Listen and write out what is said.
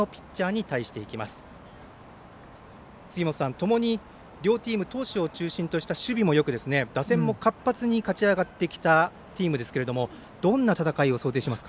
ともに両チーム投手を中心とした守備もよく打線も活発に勝ち上がってきたチームですけどどんな戦いを想定しますか？